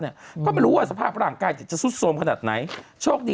เนี่ยก็ไม่รู้ว่าสภาพร่างกายจิตจะซุดโทรมขนาดไหนโชคดี